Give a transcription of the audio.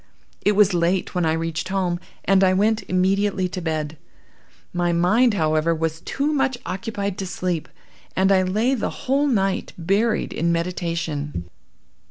"It was late when I reached home, and I went immediately to bed. My mind, however, was too much occupied to sleep, and I lay the whole night buried in meditation.